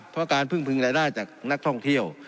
เพราะการพึ่งพึงรายได้จากนักท่องเที่ยว